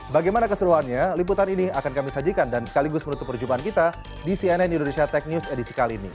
bagaimana keseruannya liputan ini akan kami sajikan dan sekaligus menutup perjumpaan kita di cnn indonesia tech news edisi kali ini